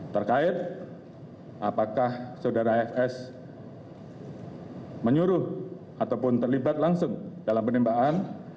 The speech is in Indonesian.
terkait apakah saudara fs menyuruh ataupun terlibat langsung dalam penembakan